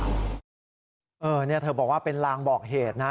นี่เธอบอกว่าเป็นลางบอกเหตุนะ